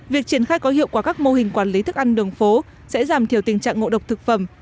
việc triển khai có hiệu quả các mô hình quản lý thức ăn đường phố sẽ giảm thiểu tình trạng ngộ độc thực phẩm